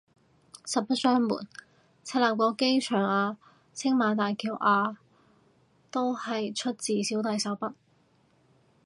實不相瞞，赤鱲角機場啊青馬大橋啊都係出自小弟手筆